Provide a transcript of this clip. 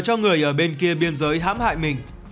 cho người ở bên kia biên giới hãm hại mình